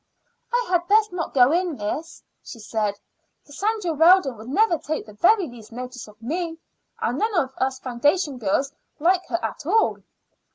"I had best not go in, miss," she said. "Cassandra Weldon would never take the very least notice of me; and none of us foundation girls like her at all."